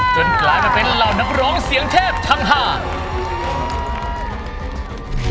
กลายมาเป็นเหล่านักร้องเสียงเทพทั้งห้า